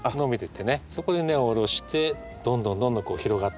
そこで根を下ろしてどんどんどんどん広がっていく。